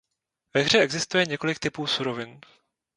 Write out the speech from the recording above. Ve hře existuje několik typů surovin.